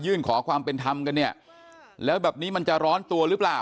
ขอความเป็นธรรมกันเนี่ยแล้วแบบนี้มันจะร้อนตัวหรือเปล่า